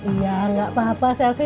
iya gak apa apa selvi